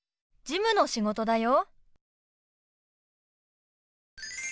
事務の仕事だよ。